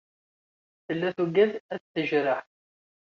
Tella tugad ad t-tejreḥ.